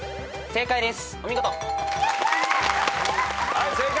正解です。